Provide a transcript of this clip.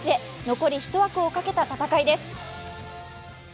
残り１枠をかけた戦いです。